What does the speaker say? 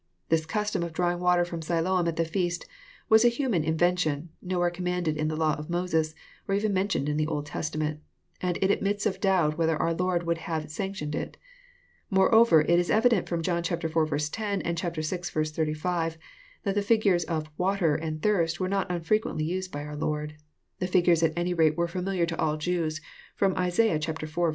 This custom of drawing water from Siloam at the feast was a human invention, nowhere commanded in the law of Moses, or even mentioned in the Old Testament; and it admits of doubt whether our Lord would have sanctioned it. Moreover, it is evident ft*ora John Iv. 10, and vi. 86, that the figures of " water and thirst *' were not unft'equently used by our Lord. — The figures at any rate were familiar to all Jews, Arom Isaiah Iv.